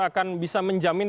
akan bisa menjamin